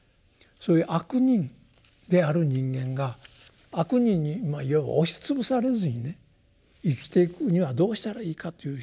そういう「悪人」である人間が「悪人」に要は押し潰されずにね生きていくにはどうしたらいいかという。